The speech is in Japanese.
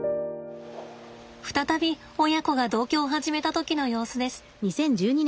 再び親子が同居を始めた時の様子です。